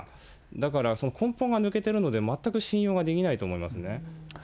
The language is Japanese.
だから根本が抜けてるので、全く信用ができないと思いますね。